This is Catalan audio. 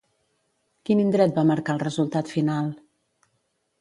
Quin indret va marcar el resultat final?